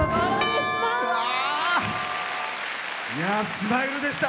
スマイルでした。